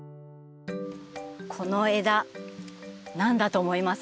この枝何だと思います？